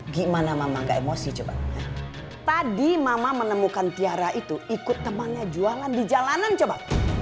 gimana mama gak emosi coba tadi mama menemukan tiara itu ikut temannya jualan di jalanan coba